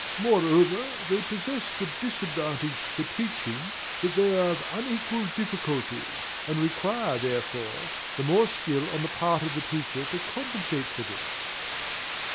Moreover, they possess the disadvantage for teaching that they are of unequal difficulty, and require, therefore, the more skill on the part of the teacher to compensate for this.